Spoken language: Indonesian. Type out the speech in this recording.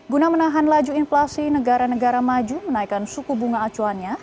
guna menahan laju inflasi negara negara maju menaikkan suku bunga acuannya